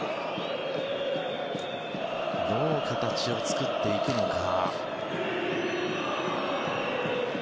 どう形を作っていくのか。